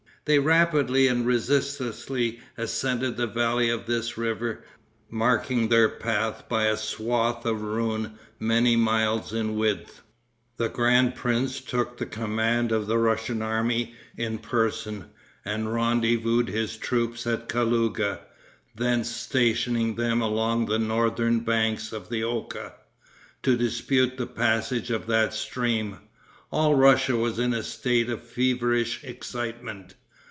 They rapidly and resistlessly ascended the valley of this river, marking their path by a swath of ruin many miles in width. The grand prince took the command of the Russian army in person, and rendezvoused his troops at Kalouga, thence stationing them along the northern banks of the Oka, to dispute the passage of that stream. All Russia was in a state of feverish excitement.